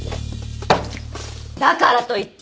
だからといって